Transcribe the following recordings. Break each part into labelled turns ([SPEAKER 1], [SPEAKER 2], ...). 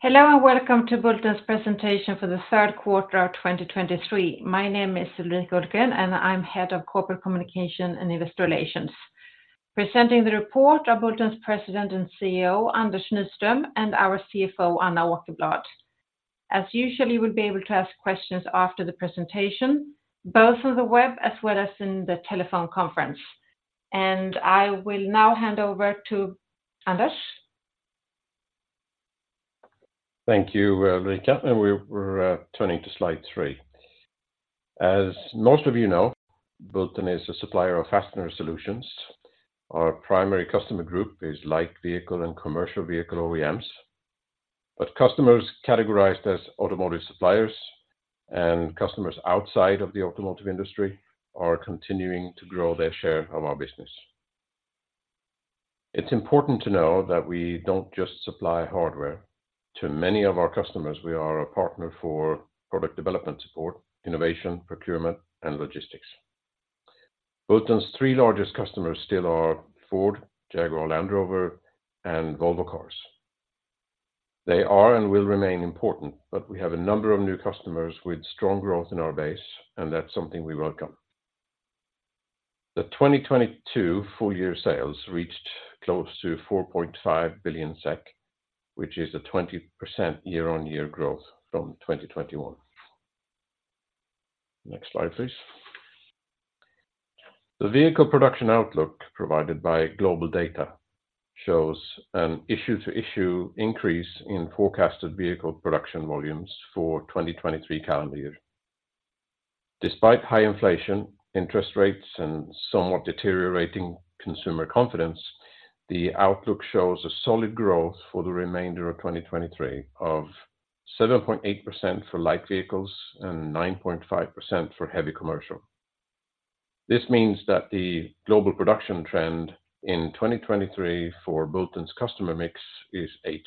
[SPEAKER 1] Hello, and welcome to Bulten's presentation for the third quarter of 2023. My name is Ulrika Hultgren, and I'm Head of Corporate Communication and Investor Relations. Presenting the report are Bulten's President and CEO, Anders Nyström, and our CFO, Anna Åkerblad. As usual, we'll be able to ask questions after the presentation, both on the web as well as in the telephone conference. And I will now hand over to Anders.
[SPEAKER 2] Thank you, Ulrika, and we're turning to slide three. As most of you know, Bulten is a supplier of fastener solutions. Our primary customer group is light vehicle and commercial vehicle OEMs, but customers categorized as automotive suppliers and customers outside of the automotive industry are continuing to grow their share of our business. It's important to know that we don't just supply hardware. To many of our customers, we are a partner for product development support, innovation, procurement, and logistics. Bulten's three largest customers still are Ford, Jaguar Land Rover, and Volvo Cars. They are and will remain important, but we have a number of new customers with strong growth in our base, and that's something we welcome. The 2022 full year sales reached close to 4.5 billion SEK, which is a 20% year-on-year growth from 2021. Next slide, please. The vehicle production outlook, provided by GlobalData, shows a year to year increase in forecasted vehicle production volumes for 2023 calendar year. Despite high inflation, interest rates, and somewhat deteriorating consumer confidence, the outlook shows a solid growth for the remainder of 2023 of 7.8% for light vehicles and 9.5% for heavy commercial. This means that the global production trend in 2023 for Bulten's customer mix is 8%.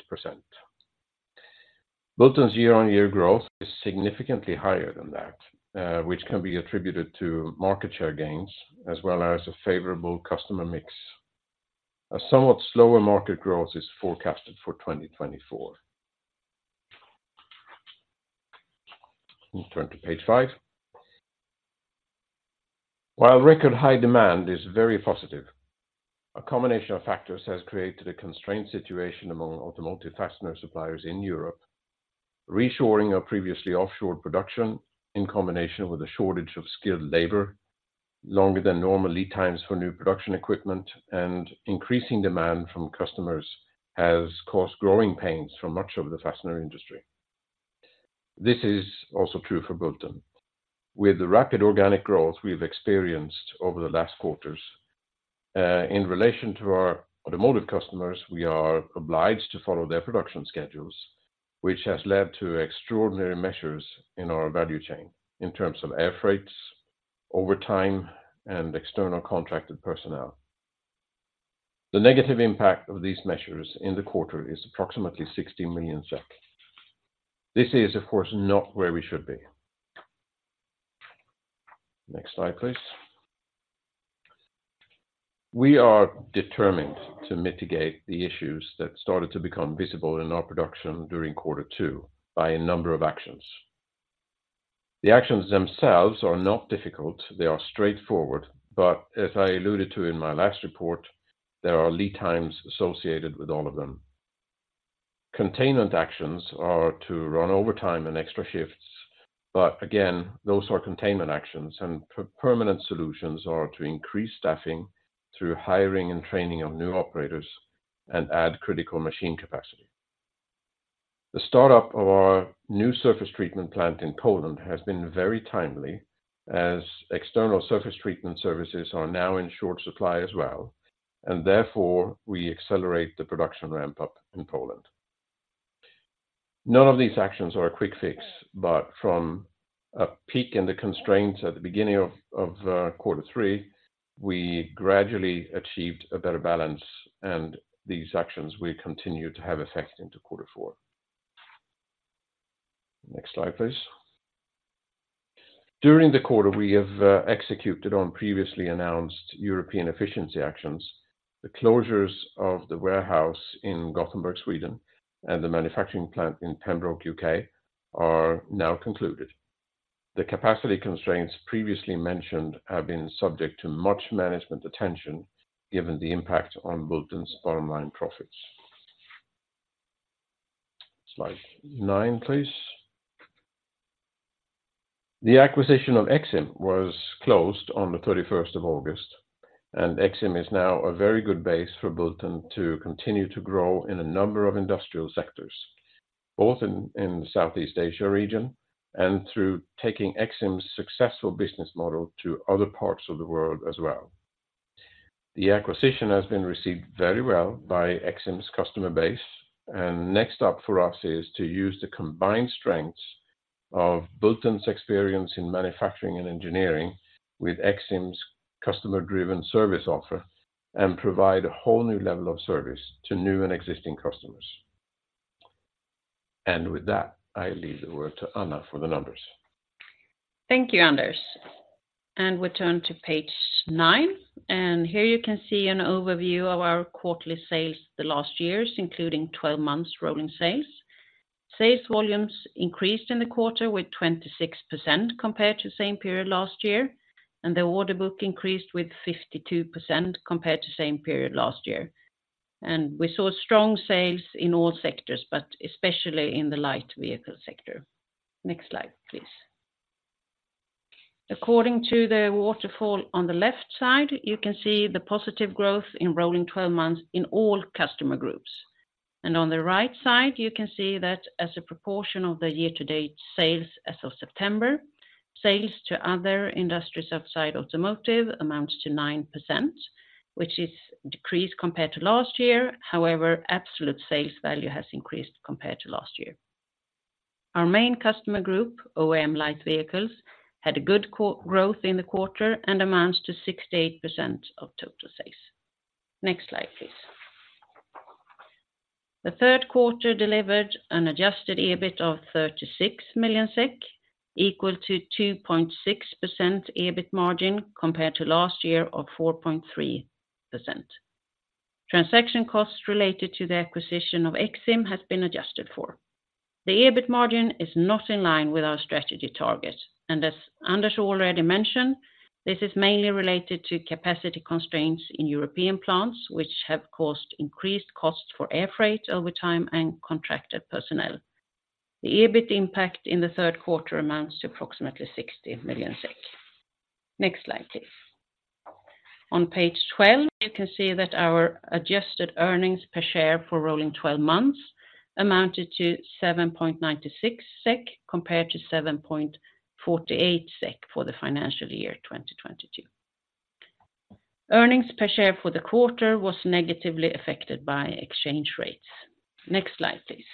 [SPEAKER 2] Bulten's year-on-year growth is significantly higher than that, which can be attributed to market share gains as well as a favorable customer mix. A somewhat slower market growth is forecasted for 2024. We turn to page five. While record high demand is very positive, a combination of factors has created a constraint situation among automotive fastener suppliers in Europe, reshoring of previously offshored production in combination with a shortage of skilled labor, longer than normal lead times for new production equipment, and increasing demand from customers has caused growing pains for much of the fastener industry. This is also true for Bulten. With the rapid organic growth we've experienced over the last quarters, in relation to our automotive customers, we are obliged to follow their production schedules, which has led to extraordinary measures in our value chain in terms of air freights, overtime, and external contracted personnel. The negative impact of these measures in the quarter is approximately 60 million SEK. This is, of course, not where we should be. Next slide, please. We are determined to mitigate the issues that started to become visible in our production during quarter two by a number of actions. The actions themselves are not difficult, they are straightforward, but as I alluded to in my last report, there are lead times associated with all of them. Containment actions are to run overtime and extra shifts, but again, those are containment actions, and permanent solutions are to increase staffing through hiring and training of new operators and add critical machine capacity. The startup of our new surface treatment plant in Poland has been very timely, as external surface treatment services are now in short supply as well, and therefore, we accelerate the production ramp up in Poland. None of these actions are a quick fix, but from a peak in the constraints at the beginning of quarter three, we gradually achieved a better balance, and these actions will continue to have effect into quarter four. Next slide, please. During the quarter, we have executed on previously announced European efficiency actions. The closures of the warehouse in Gothenburg, Sweden, and the manufacturing plant in Pembroke, U.K., are now concluded. The capacity constraints previously mentioned have been subject to much management attention, given the impact on Bulten's bottom line profits. Slide nine, please. The acquisition of Exim was closed on the 31st of August, and Exim is now a very good base for Bulten to continue to grow in a number of industrial sectors, both in the Southeast Asia region and through taking Exim's successful business model to other parts of the world as well. The acquisition has been received very well by Exim's customer base, and next up for us is to use the combined strengths of Bulten's experience in manufacturing and engineering with Exim's customer-driven service offer, and provide a whole new level of service to new and existing customers. With that, I leave the word to Anna for the numbers.
[SPEAKER 3] Thank you, Anders. We turn to page nine, and here you can see an overview of our quarterly sales the last years, including 12 months rolling sales. Sales volumes increased in the quarter with 26% compared to the same period last year, and the order book increased with 52% compared to same period last year. We saw strong sales in all sectors, but especially in the light vehicle sector. Next slide, please. According to the waterfall on the left side, you can see the positive growth in rolling 12 months in all customer groups. On the right side, you can see that as a proportion of the year-to-date sales as of September, sales to other industries outside automotive amounts to 9%, which is decreased compared to last year. However, absolute sales value has increased compared to last year. Our main customer group, OEM light vehicles, had a good growth in the quarter and amounts to 68% of total sales. Next slide, please. The third quarter delivered an adjusted EBIT of 36 million SEK, equal to 2.6% EBIT margin compared to last year of 4.3%. Transaction costs related to the acquisition of Exim has been adjusted for. The EBIT margin is not in line with our strategy target, and as Anders already mentioned, this is mainly related to capacity constraints in European plants, which have caused increased costs for air freight overtime and contracted personnel. The EBIT impact in the third quarter amounts to approximately 60 million SEK. Next slide, please. On page 12, you can see that our adjusted earnings per share for rolling 12 months amounted to 7.96 SEK, compared to 7.48 SEK for the financial year 2022. Earnings per share for the quarter was negatively affected by exchange rates. Next slide, please.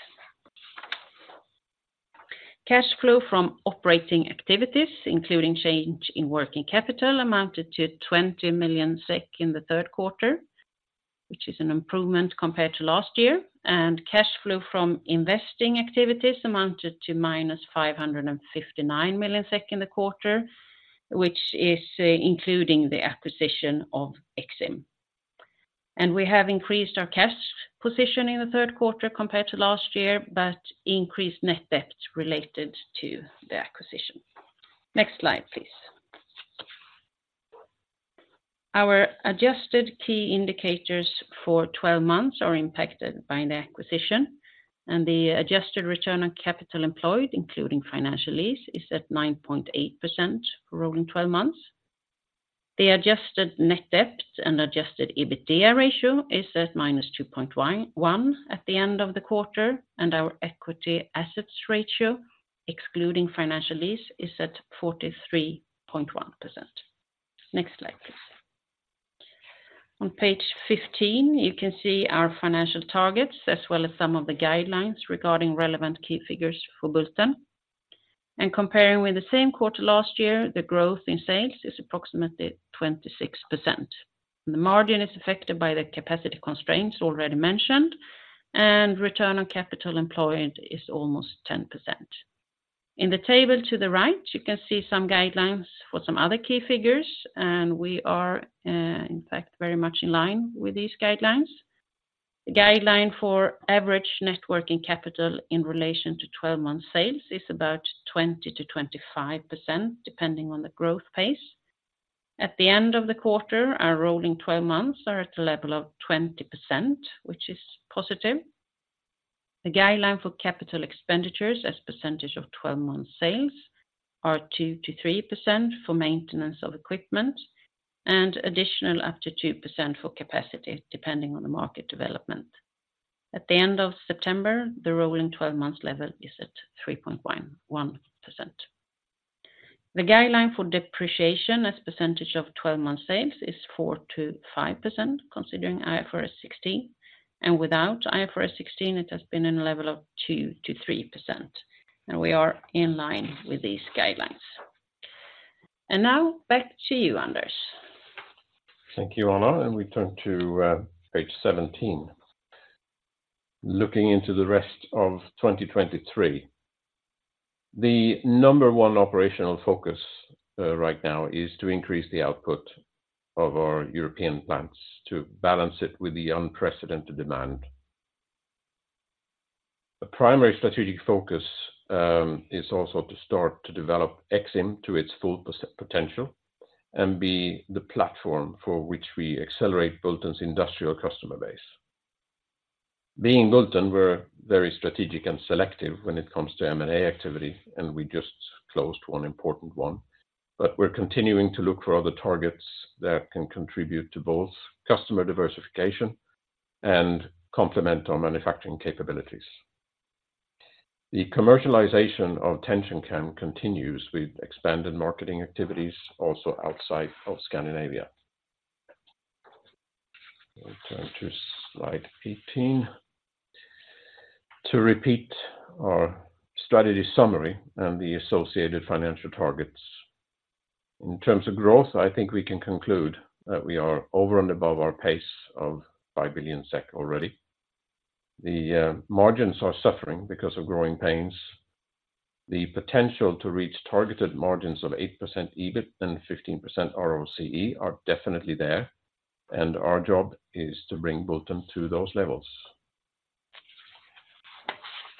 [SPEAKER 3] Cash flow from operating activities, including change in working capital, amounted to 20 million SEK in the third quarter, which is an improvement compared to last year, and cash flow from investing activities amounted to -559 million SEK in the quarter, which is including the acquisition of Exim. We have increased our cash position in the third quarter compared to last year, but increased net debt related to the acquisition. Next slide, please. Our adjusted key indicators for 12 months are impacted by the acquisition, and the adjusted return on capital employed, including financial lease, is at 9.8% for rolling 12 months. The adjusted net debt and adjusted EBITDA ratio is at -2.11% at the end of the quarter, and our equity assets ratio, excluding financial lease, is at 43.1%. Next slide, please. On page 15, you can see our financial targets, as well as some of the guidelines regarding relevant key figures for Bulten. Comparing with the same quarter last year, the growth in sales is approximately 26%. The margin is affected by the capacity constraints already mentioned, and return on capital employed is almost 10%. In the table to the right, you can see some guidelines for some other key figures, and we are, in fact, very much in line with these guidelines. The guideline for average net working capital in relation to 12-month sales is about 20%-25%, depending on the growth pace. At the end of the quarter, our rolling 12 months are at a level of 20%, which is positive. The guideline for capital expenditures as percentage of 12-month sales are 2%-3% for maintenance of equipment and additional up to 2% for capacity, depending on the market development. At the end of September, the rolling 12 months level is at 3.11%. The guideline for depreciation as percentage of 12 months sales is 4%-5%, considering IFRS 16, and without IFRS 16, it has been in a level of 2%-3%, and we are in line with these guidelines. Now, back to you, Anders.
[SPEAKER 2] Thank you, Anna, and we turn to page 17. Looking into the rest of 2023, the number one operational focus right now is to increase the output of our European plants to balance it with the unprecedented demand. The primary strategic focus is also to start to develop Exim to its full potential and be the platform for which we accelerate Bulten's industrial customer base. Being Bulten, we're very strategic and selective when it comes to M&A activity, and we just closed one important one, but we're continuing to look for other targets that can contribute to both customer diversification and complement our manufacturing capabilities. The commercialization of TensionCam continues with expanded marketing activities, also outside of Scandinavia. We turn to slide 18. To repeat our strategy summary and the associated financial targets. In terms of growth, I think we can conclude that we are over and above our pace of 5 billion SEK already. The margins are suffering because of growing pains. The potential to reach targeted margins of 8% EBIT and 15% ROCE are definitely there, and our job is to bring both of them to those levels.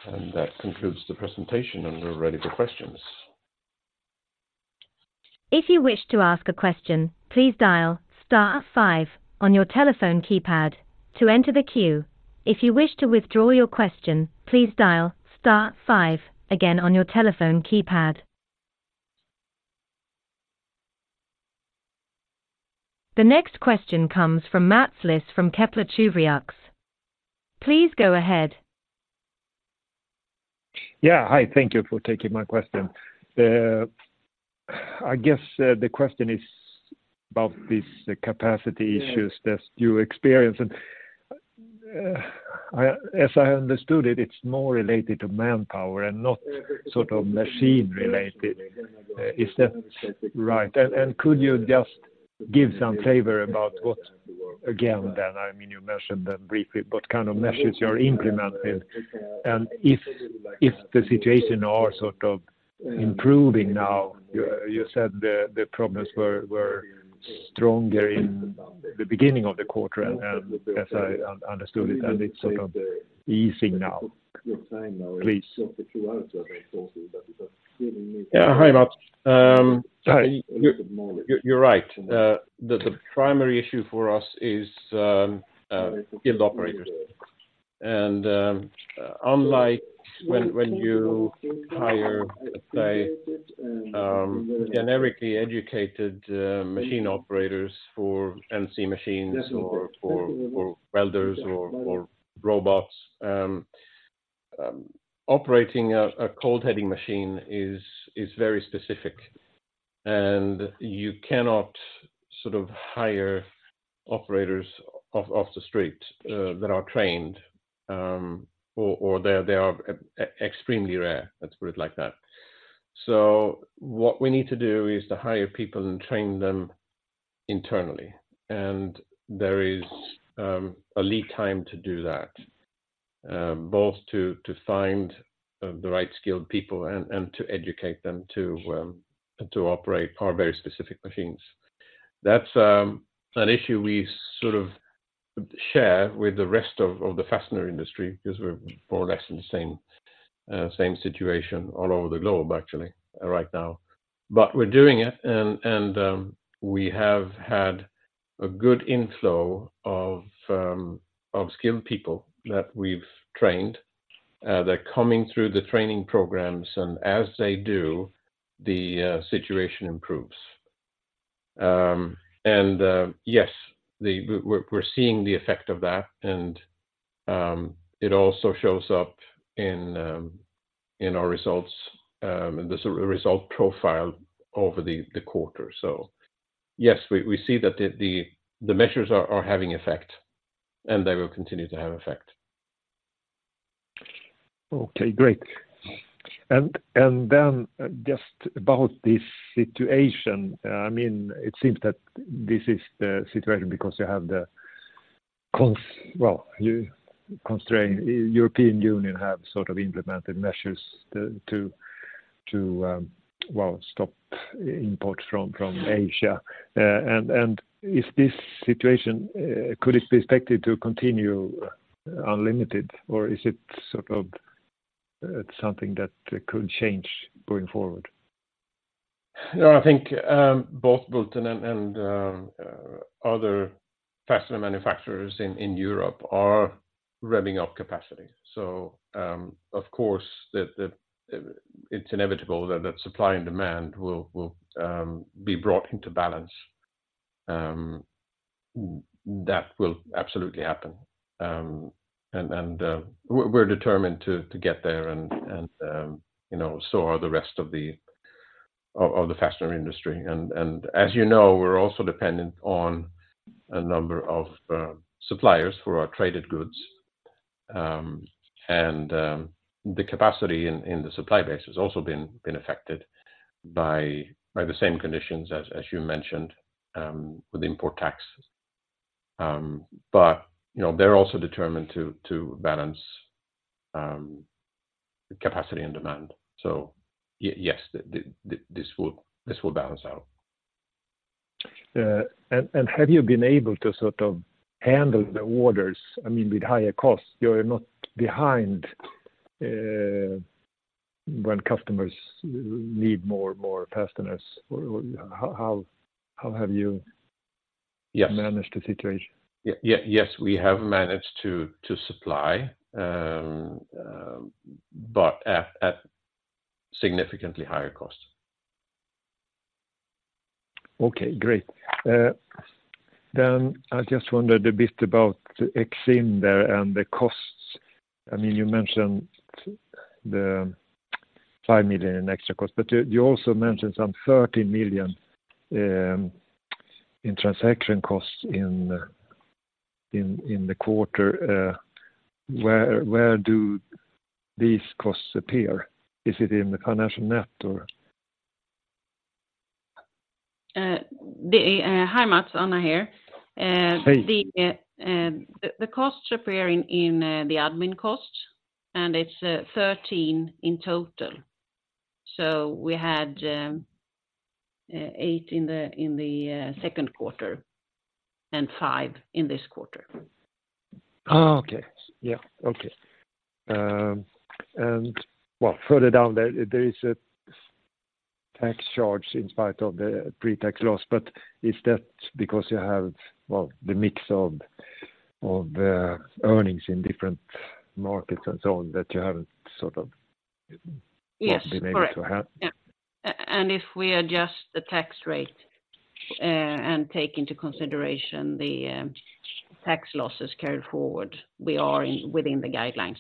[SPEAKER 2] And that concludes the presentation, and we're ready for questions.
[SPEAKER 4] If you wish to ask a question, please dial star five on your telephone keypad to enter the queue. If you wish to withdraw your question, please dial star five again on your telephone keypad. The next question comes from Mats Liss from Kepler Cheuvreux. Please go ahead.
[SPEAKER 5] Yeah, hi, thank you for taking my question. I guess, the question is about these capacity issues that you experience, and, as I understood it, it's more related to manpower and not sort of machine related. Is that right? And could you just give some flavor about what, again, then, I mean, you mentioned them briefly, what kind of measures you're implementing, and if the situation are sort of improving now? You said the problems were stronger in the beginning of the quarter, and as I understood it, and it's sort of easing now. Please.
[SPEAKER 2] Yeah. Hi, Mats. Hi, you're right. The primary issue for us is skilled operators. Unlike when you hire, let's say, generically educated machine operators for NC machines or for welders or robots, operating a cold heading machine is very specific, and you cannot sort of hire operators off the street that are trained, or they are extremely rare, let's put it like that. So what we need to do is to hire people and train them internally, and there is a lead time to do that, both to find the right skilled people and to educate them to operate our very specific machines. That's an issue we sort of share with the rest of the fastener industry, because we're more or less in the same situation all over the globe, actually, right now. But we're doing it, and we have had a good inflow of skilled people that we've trained. They're coming through the training programs, and as they do, the situation improves. And yes, we're seeing the effect of that, and it also shows up in our results, and the sort of result profile over the quarter. So yes, we see that the measures are having effect, and they will continue to have effect.
[SPEAKER 5] Okay, great. And then just about this situation, I mean, it seems that this is the situation because you have the cons, well, you constrain, European Union have sort of implemented measures to, to, well, stop import from, from Asia. And is this situation, could it be expected to continue unlimited, or is it sort of something that could change going forward?
[SPEAKER 2] No, I think both Bulten and other fastener manufacturers in Europe are revving up capacity. So, of course, it's inevitable that the supply and demand will be brought into balance. That will absolutely happen. And, we're determined to get there, and, you know, so are the rest of the fastener industry. And, as you know, we're also dependent on a number of suppliers for our traded goods. And, the capacity in the supply base has also been affected by the same conditions as you mentioned with import taxes. But, you know, they're also determined to balance capacity and demand. So yes, this will balance out.
[SPEAKER 5] And have you been able to sort of handle the orders, I mean, with higher costs? You're not behind when customers need more and more fasteners, how have you?
[SPEAKER 2] Yes.
[SPEAKER 5] Managed the situation?
[SPEAKER 2] Yeah, yeah, yes, we have managed to supply, but at significantly higher cost.
[SPEAKER 5] Okay, great. Then I just wondered a bit about the Exim there and the costs. I mean, you mentioned the 5 million in extra cost, but you also mentioned some 13 million in transaction costs in the quarter, where do these costs appear? Is it in the financial net or?
[SPEAKER 3] Hi, Mats, Anna here.
[SPEAKER 5] Hey.
[SPEAKER 3] The costs appear in the admin costs, and it's 13 million in total. So we had 8 million in the second quarter and 5 million in this quarter.
[SPEAKER 5] Oh, okay. Yeah. Okay. And well, further down there, there is a tax charge in spite of the pre-tax loss, but is that because you have, well, the mix of earnings in different markets and so on, that you haven't sort of.
[SPEAKER 3] Yes, correct.
[SPEAKER 5] Been able to have?
[SPEAKER 3] Yeah. And if we adjust the tax rate, and take into consideration the tax losses carried forward, we are in within the guidelines.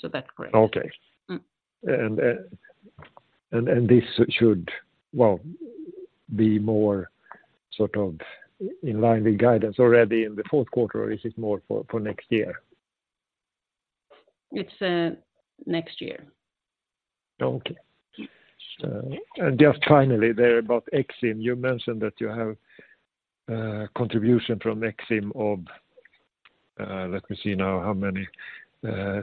[SPEAKER 3] So that's correct.
[SPEAKER 5] Okay.
[SPEAKER 3] Mm.
[SPEAKER 5] This should, well, be more sort of in line with guidance already in the fourth quarter, or is it more for next year?
[SPEAKER 3] It's next year.
[SPEAKER 5] Okay.
[SPEAKER 3] Mm.
[SPEAKER 5] Just finally there about Exim, you mentioned that you have contribution from Exim of, let me see now, how many,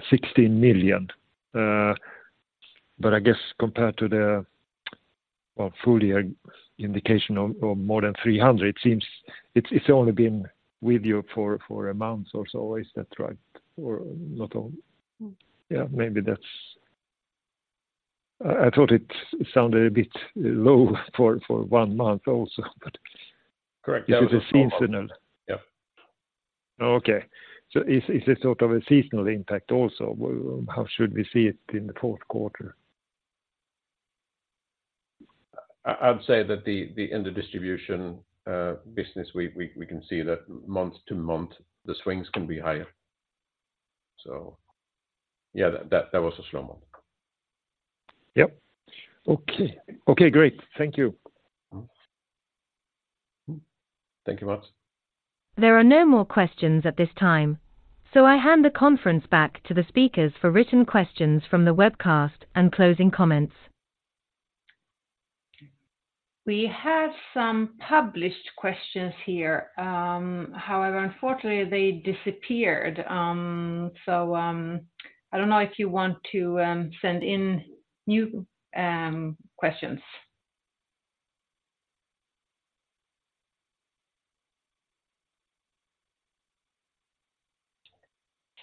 [SPEAKER 5] 16 million. But I guess compared to the, well, full year indication of more than 300 million, it seems it's only been with you for a month or so. Is that right? Or not all?
[SPEAKER 3] Mm.
[SPEAKER 5] Yeah, maybe that's, I, I thought it sounded a bit low for, for one month also, but.
[SPEAKER 2] Correct.
[SPEAKER 5] If it's seasonal.
[SPEAKER 2] Yeah.
[SPEAKER 5] Oh, okay. So is it sort of a seasonal impact also? How should we see it in the fourth quarter?
[SPEAKER 2] I'd say that in the distribution business, we can see that month-to-month, the swings can be higher. So yeah, that was a slow one.
[SPEAKER 5] Yep. Okay. Okay, great. Thank you.
[SPEAKER 2] Thank you, Mats.
[SPEAKER 4] There are no more questions at this time, so I hand the conference back to the speakers for written questions from the webcast and closing comments.
[SPEAKER 1] We have some published questions here. However, unfortunately, they disappeared. So, I don't know if you want to send in new questions.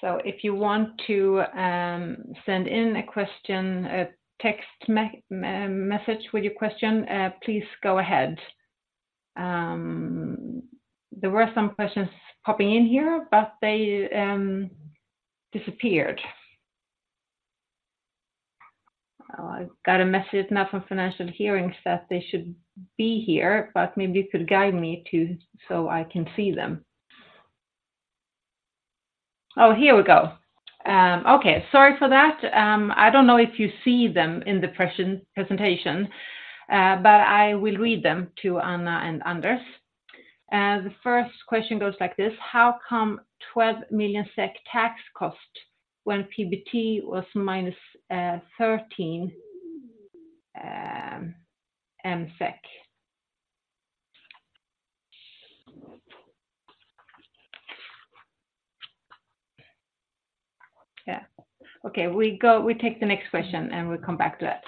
[SPEAKER 1] So if you want to send in a question, a text message with your question, please go ahead. There were some questions popping in here, but they disappeared. I got a message now from Financial Hearings that they should be here, but maybe you could guide me too so I can see them. Oh, here we go. Okay. Sorry for that. I don't know if you see them in the presentation, but I will read them to Anna and Anders. The first question goes like this: How come 12 million SEK tax cost when PBT was -13? Yeah. Okay, we go. We take the next question, and we come back to that.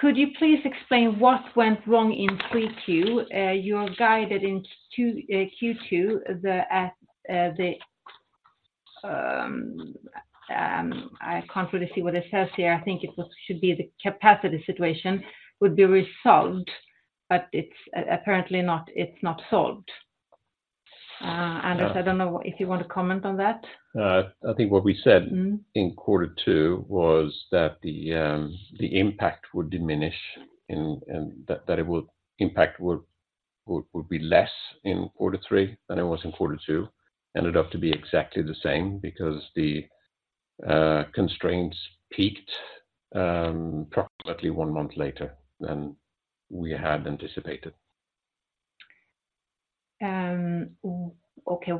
[SPEAKER 1] Could you please explain what went wrong in Q2? You are guided in two, Q2, the, the, I can't really see what it says here. I think it was should be the capacity situation would be resolved, but it's apparently not, it's not solved.
[SPEAKER 2] Yeah.
[SPEAKER 1] Anders, I don't know if you want to comment on that.
[SPEAKER 2] I think what we said.
[SPEAKER 1] Mm-hmm.
[SPEAKER 2] In quarter two was that the impact would diminish and that it would be less in quarter three than it was in quarter two. Ended up to be exactly the same because the constraints peaked approximately one month later than we had anticipated.
[SPEAKER 1] Okay.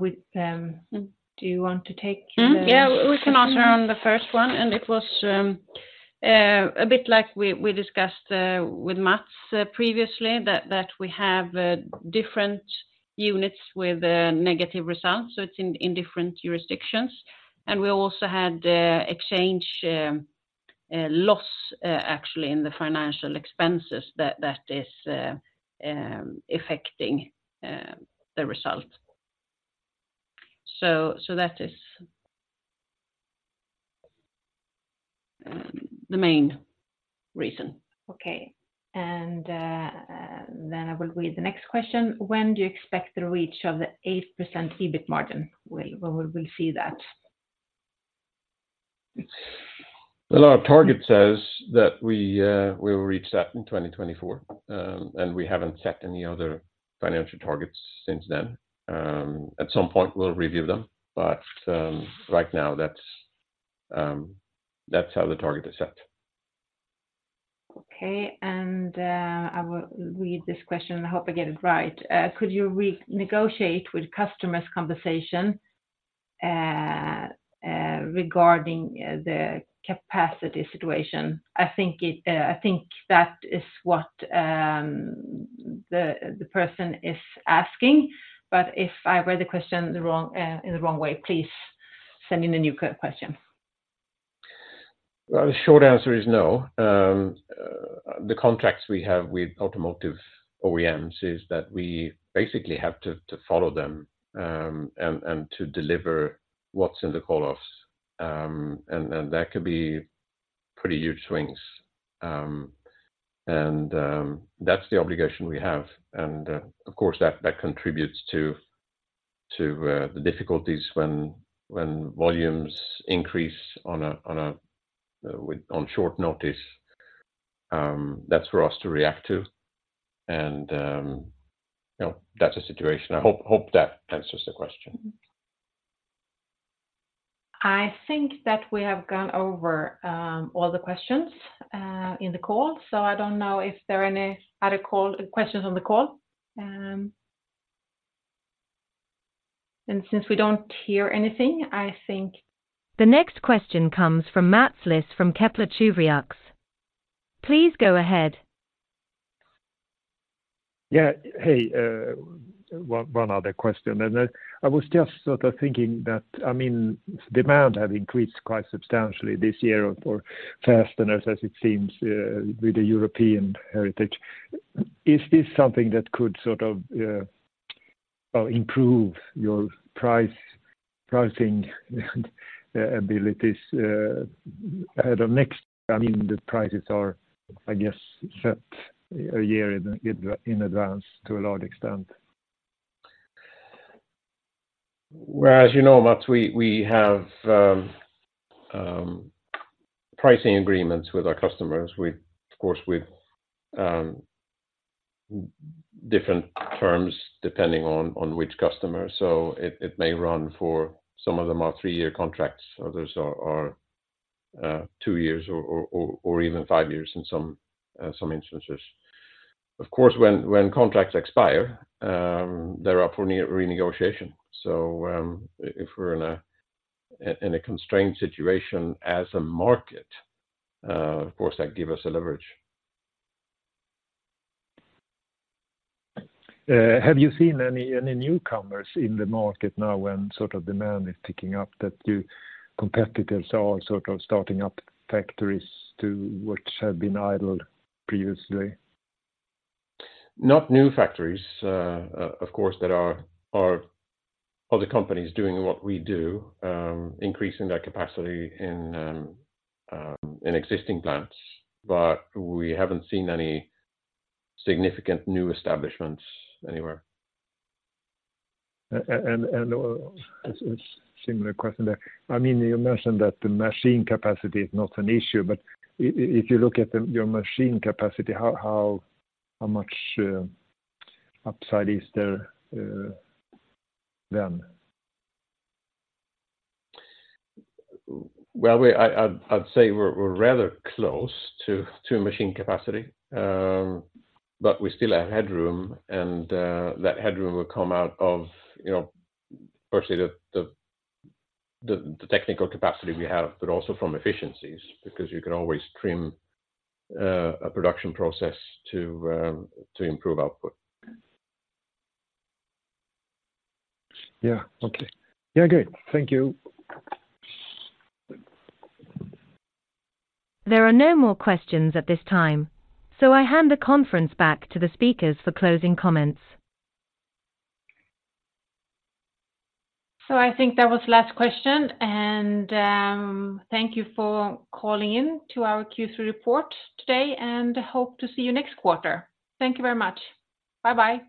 [SPEAKER 1] Do you want to take the.
[SPEAKER 3] Mm-hmm. Yeah, we can answer on the first one, and it was a bit like we discussed with Mats previously, that we have different units with negative results, so it's in different jurisdictions. And we also had the exchange loss actually in the financial expenses that is affecting the result. So that is the main reason.
[SPEAKER 1] Okay. Then I will read the next question: When do you expect the reach of the 8% EBIT margin? When, when will we see that?
[SPEAKER 2] Well, our target says that we, we will reach that in 2024, and we haven't set any other financial targets since then. At some point, we'll review them, but, that's, that's how the target is set.
[SPEAKER 1] Okay, and, I will read this question, and I hope I get it right. Could you renegotiate with customers compensation regarding the capacity situation? I think that is what the person is asking, but if I read the question the wrong way, please send in a new question.
[SPEAKER 2] Well, the short answer is no. The contracts we have with automotive OEMs is that we basically have to follow them, and to deliver what's in the call-offs. And that could be pretty huge swings. And that's the obligation we have, and of course, that contributes to the difficulties when volumes increase on short notice, that's for us to react to, and you know, that's the situation. I hope that answers the question.
[SPEAKER 1] I think that we have gone over all the questions in the call, so I don't know if there are any other questions on the call. Since we don't hear anything, I think.
[SPEAKER 4] The next question comes from Mats Liss from Kepler Cheuvreux. Please go ahead.
[SPEAKER 5] Yeah. Hey, one other question. I was just sort of thinking that, I mean, demand have increased quite substantially this year for fasteners, as it seems, with the European heritage. Is this something that could sort of, well, improve your price, pricing, abilities, at the next? I mean, the prices are, I guess, set a year in advance to a large extent.
[SPEAKER 2] Well, as you know, Mats, we have pricing agreements with our customers. We, of course, with different terms, depending on which customer, so it may run for some of them are three-year contracts, others are two years or even five years in some instances. Of course, when contracts expire, they're up for renegotiation. So, if we're in a constrained situation as a market, of course, that give us a leverage.
[SPEAKER 5] Have you seen any newcomers in the market now when sort of demand is picking up, that your competitors are sort of starting up factories to which have been idled previously?
[SPEAKER 2] Not new factories. Of course, there are other companies doing what we do, increasing their capacity in existing plants, but we haven't seen any significant new establishments anywhere.
[SPEAKER 5] And, a similar question there. I mean, you mentioned that the machine capacity is not an issue, but if you look at your machine capacity, how much upside is there, then?
[SPEAKER 2] Well, I'd say we're rather close to machine capacity, but we still have headroom, and that headroom will come out of, you know, firstly, the technical capacity we have, but also from efficiencies, because you can always trim a production process to improve output.
[SPEAKER 5] Yeah. Okay. Yeah, great. Thank you.
[SPEAKER 4] There are no more questions at this time, so I hand the conference back to the speakers for closing comments.
[SPEAKER 1] I think that was the last question, and thank you for calling in to our Q3 report today, and hope to see you next quarter. Thank you very much. Bye-bye.